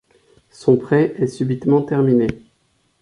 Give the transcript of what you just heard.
Son prêt est subitement terminé.